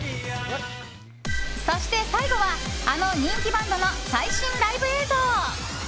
そして最後は、あの人気バンドの最新ライブ映像。